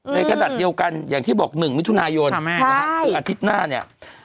ในขณะเดียวกันอย่างที่บอก๑มิถุนายนคืออาทิตย์หน้าเนี่ย